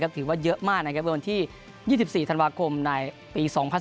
ถือว่าเยอะมากเมื่อวันที่๒๔ธันวาคมในปี๒๐๑๙